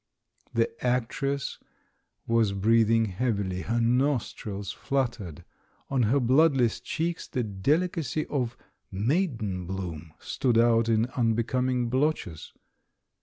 The actress was breathing heavily, her nostrils fluttered ; on her bloodless cheeks the dehcacy of THE BISHOP'S COMEDY 361 "Maiden bloom" stood out in unbecoming blotches.